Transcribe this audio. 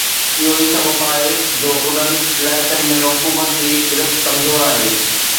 اهو ئي سبب آهي جو انهن علائقن ۾ حڪومت جي گرفت ڪمزور آهي